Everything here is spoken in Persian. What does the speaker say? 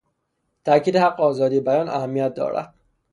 تاکید حق آزادی بیان اهمیت دارد.